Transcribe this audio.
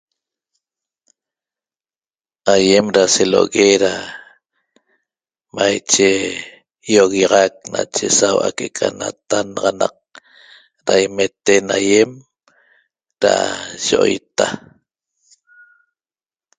Aýem da selo'ogue da maiche ýi'oguiaxac nache sau'a que'eca natannaxanaq da imeten aýem da yi'oita